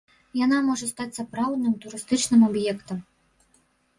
Яна можа стаць сапраўдным турыстычным аб'ектам.